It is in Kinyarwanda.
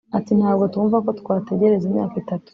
Ati “Ntabwo twumva ko twategereza imyaka itatu